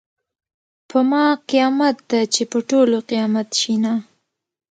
په ما قیامت ده چې په ټولو قیامت شینه .